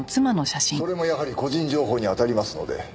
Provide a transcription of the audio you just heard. それもやはり個人情報に当たりますので。